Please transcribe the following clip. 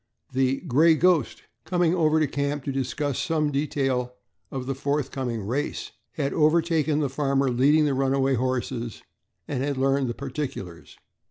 The "Gray Ghost," coming over to the camp to discuss some detail of the forthcoming race, had overtaken the farmer leading the runaway horses and had learned the particulars.